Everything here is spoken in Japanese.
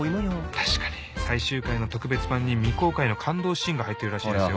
確かに最終回の特別版に未公開の感動シーンが入ってるらしいですよ